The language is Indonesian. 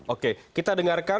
oke kita dengarkan